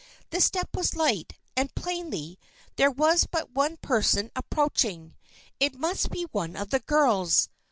The step was light, and, plainly, there was but one person approaching. It must be one of the girls.